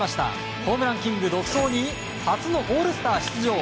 ホームランキング独走に初のオールスター出場。